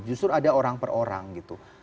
justru ada orang per orang gitu